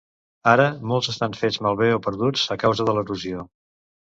Ara, molts estan fets malbé o perduts a causa de l'erosió.